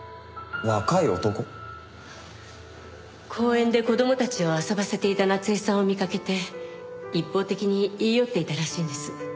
公園で子供たちを遊ばせていた夏恵さんを見かけて一方的に言い寄っていたらしいんです。